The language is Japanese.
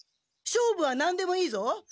勝負は何でもいいぞ。